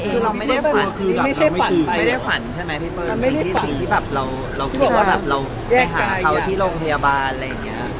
ไม่ได้ฝันใช่ไหมพี่เปิ้ลจริงที่เราคิดว่าเราไปหาเขาที่โรงพยาบาลอะไรอย่างเงี้ย